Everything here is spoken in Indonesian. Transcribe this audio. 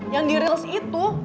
yang di reels itu